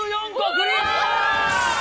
クリア！